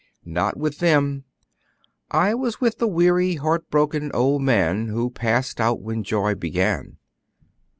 "Not with them; I was with the weary, heart broken old man who passed out when joy began."